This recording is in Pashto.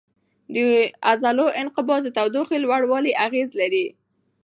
د عضلو انقباض د تودوخې لوړولو اغېز لري.